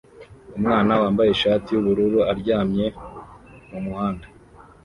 Umwana wambaye ishati yubururu aryamye mumuhanda